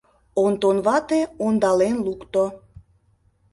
Онтон вате ондален лукто